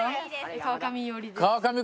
川上庵です。